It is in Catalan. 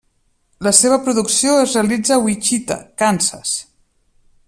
La seva producció es realitza a Wichita, Kansas.